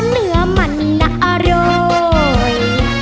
เนื้อมันน่าอร่อย